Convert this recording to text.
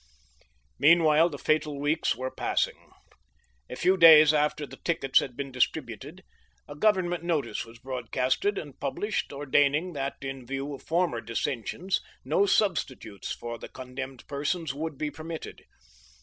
Meanwhile the fatal weeks were passing. A few days after the tickets had been distributed, a Government notice was broadcasted and published, ordaining that, in view of former dissensions, no substitutes for the condemned persons would be permitted.